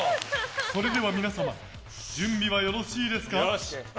それでは皆様準備はよろしいですか？